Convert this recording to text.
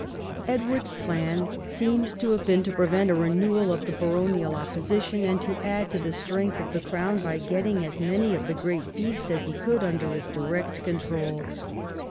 Edward's plan seems to have been to prevent a renewal of the baronial opposition, and to add to the strength of the crown by getting as many of the great fiefs as he could under his direct control.